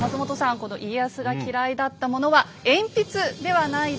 この家康が嫌いだったものは「鉛筆」ではないでしょうか？